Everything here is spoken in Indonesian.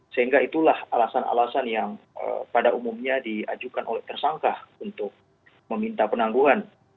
sehingga itulah alasan alasan yang pada umumnya diajukan oleh tersangka untuk meminta penangguhan